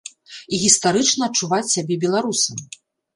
І гістарычна адчуваць сябе беларусам.